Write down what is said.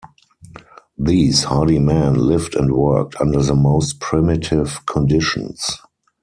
These hardy men lived and worked under the most primitive conditions.